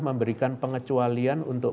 memberikan pengecualian untuk